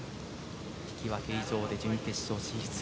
引き分け以上で準決勝進出。